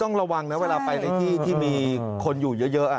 ต้องระวังนะเวลาไปในที่ที่มีคนอยู่เยอะ